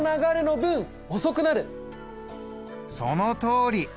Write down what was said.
そのとおり！